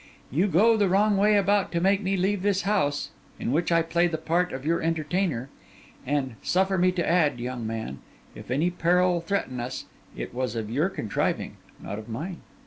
You go the wrong way about to make me leave this house, in which I play the part of your entertainer; and, suffer me to add, young man, if any peril threaten us, it was of your contriving, not of mine.